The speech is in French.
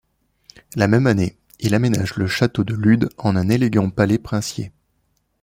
La même année, il aménage le château du Lude en un élégant palais princier.